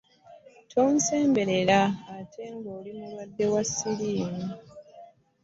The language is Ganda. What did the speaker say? Tonsemberela ngaate oli mulwadde wa ssenyiga.